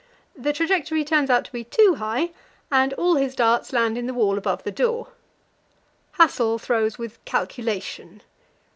The trajectory turns out to be too high, and all his darts land in the wall above the door. Hassel throws with "calculation."